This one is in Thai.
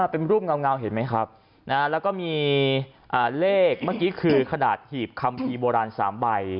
เป็นรูปเงาเห็นไหมครับแล้วก็มีเลขเมื่อกี้คือขนาดหีบคัมภีร์โบราณ๓ใบ